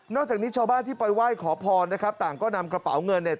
จากนี้ชาวบ้านที่ไปไหว้ขอพรนะครับต่างก็นำกระเป๋าเงินเนี่ย